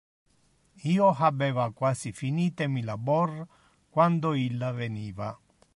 Io habeva quasi finite mi labor quando illa veniva.